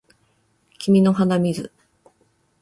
君の鼻水